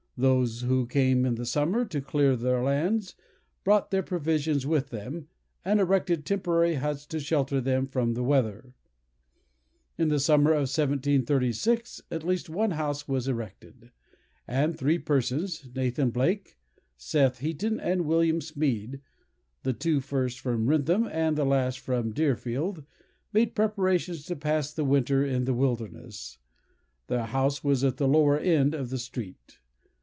Those who came in the summer to clear their lands, brought their provisions with them, and erected temporary huts to shelter them from the weather. In the summer of 1736, at least one house was erected; and three persons, Nathan Blake, Seth Heaton, and William Smeed, (the two first from Wrentham, and the last from Deerfield,) made preparations to pass the winter in the wilderness. Their house was at the lower end of the street.